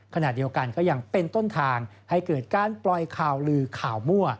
ขณะเดียวกันก็ยังเป็นต้นทางให้เกิดการปล่อยข่าวลือข่าวมั่ว